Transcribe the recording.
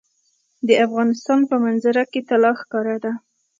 د افغانستان په منظره کې طلا ښکاره ده.